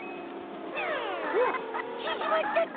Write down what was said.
わっちぢまっちゃった！